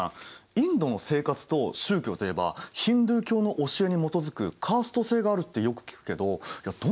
インドの生活と宗教といえばヒンドゥー教の教えに基づくカースト制があるってよく聞くけどどんなものなんだろう？